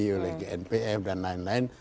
oleh gnpf dan lain lain